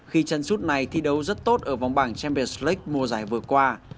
khi chân sút này thi đấu rất tốt ở vòng bảng champions league mùa giải vừa qua